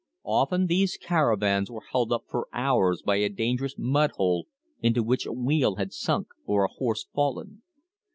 Often these caravans were held up for hours by a dangerous mud hole into which a wheel had sunk or a horse fallen.